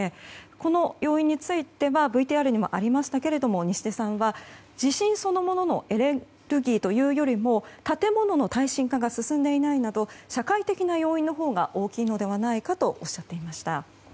この要因についてはＶＴＲにもありましたが西出さんは、地震そのもののエネルギーというよりも建物の耐震化が進んでいないなど社会的な要因のほうが大きいのではないかとおっしゃっていました。